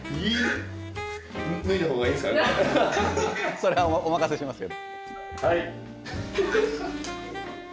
それはお任せしますよ。